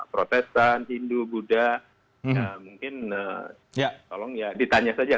protestan hindu buddha mungkin tolong ya ditanya saja